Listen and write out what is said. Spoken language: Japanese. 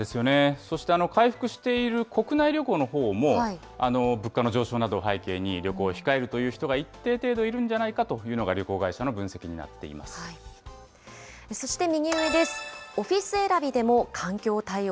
そして回復している国内旅行のほうも、物価の上昇などを背景に、旅行を控えるという人が一定程度いるんじゃないかというのが旅行そして、右上です。